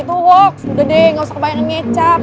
itu hoax udah deh gak usah kebanyakan ngecap